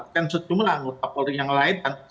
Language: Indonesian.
dan sejumlah anggota polri yang lain